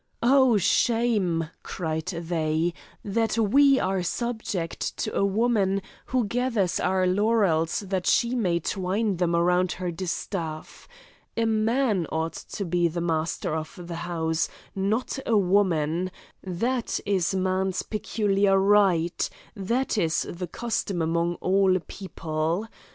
"Oh, shame!" cried they, "that we are subject to a woman who gathers our laurels that she may twine them round her distaff. A man ought to be master of the house, not a woman, that is man's peculiar right, that is the custom among all people.